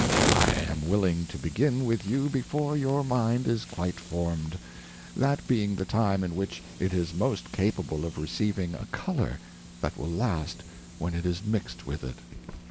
I am willing to begin with you before your Mind is quite formed, that being the time in which it is most capable of receiving a Colour that will last when it is mix'd with it.